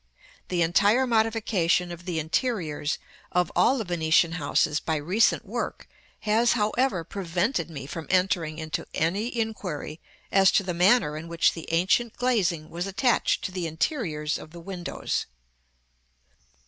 The entire modification of the interiors of all the Venetian houses by recent work has however prevented me from entering into any inquiry as to the manner in which the ancient glazing was attached to the interiors of the windows.